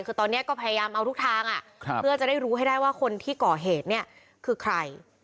คือตอนนี้ก็พยายามเอาทุกทางเพื่อจะได้รู้ให้ได้ว่าคนที่ก่อเหตุเนี่ยคือใคร